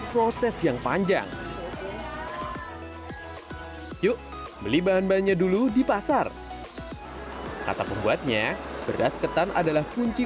proses yang panjang yuk beli bahan bahannya dulu di pasar kata pembuatnya beras ketan adalah kunci